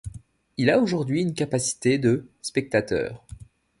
Il a aujourd'hui une capacité de spectateurs.